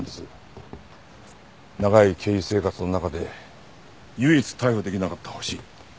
長い刑事生活の中で唯一逮捕できなかったホシ。